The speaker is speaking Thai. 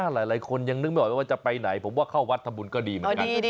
หลายคนยังนึกไม่ออกว่าจะไปไหนผมว่าเข้าวัดทำบุญก็ดีเหมือนกัน